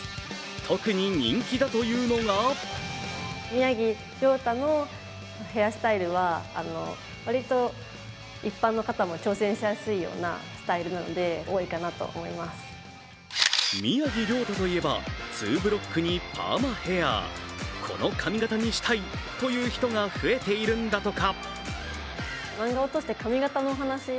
特に人気だというのが宮城リョータと言えばツーブロックにパーマヘアこの髪形にしたいという人が増えているんだとか。